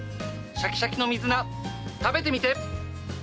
シャキシャキの水菜食べてみて！